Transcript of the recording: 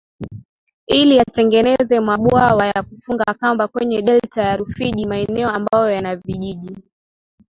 ili atengeneze mabwawa ya kufuga kamba kwenye delta ya Rufiji maeneo ambayo yana vijiji